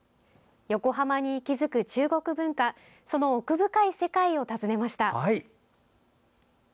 横浜に息づく中国文化その奥深い世界を訪ねました。